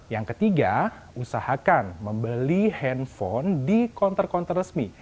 yang ketiga usahakan membeli handphone di konter konter resmi